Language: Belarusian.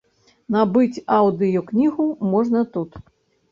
Набыць аўдыёкнігу можна тут.